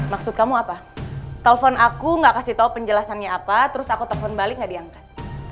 maksud kamu apa telepon aku gak kasih tau penjelasannya apa terus aku telepon balik gak diangkat